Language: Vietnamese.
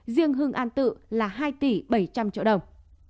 riêng hưng an tự là hai tỷ bảy trăm linh triệu đồng